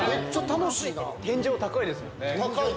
天井高いですもんね。